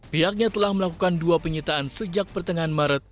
pihaknya telah melakukan dua penyitaan sejak pertengahan maret